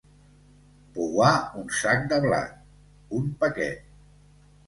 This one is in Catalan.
Pouar un sac de blat, un paquet.